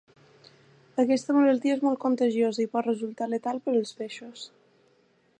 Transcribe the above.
Aquesta malaltia és molt contagiosa i pot resultar letal per als peixos.